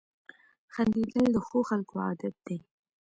• خندېدل د ښو خلکو عادت دی.